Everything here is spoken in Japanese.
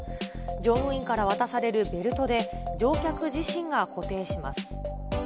乗務員から渡されるベルトで、乗客自身が固定します。